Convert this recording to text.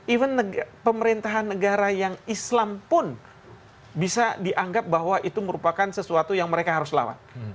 even pemerintahan negara yang islam pun bisa dianggap bahwa itu merupakan sesuatu yang mereka harus lawan